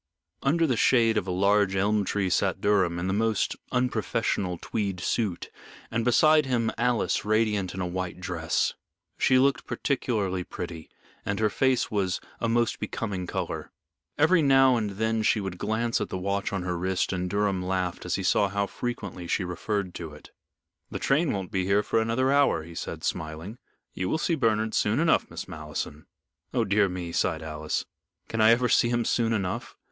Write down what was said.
Under the shade of a large elm tree sat Durham, in the most unprofessional tweed suit, and beside him, Alice, radiant in a white dress. She looked particularly pretty, and her face was a most becoming color. Every now and then she would glance at the watch on her wrist, and Durham laughed as he saw how frequently she referred to it. "The train won't be here for another hour," he said, smiling. "You will see Bernard soon enough, Miss Malleson." "Oh, dear me," sighed Alice, "can I ever see him soon enough?